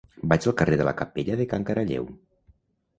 Vaig al carrer de la Capella de Can Caralleu.